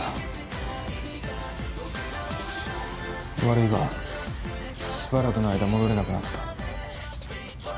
悪いがしばらくの間戻れなくなった。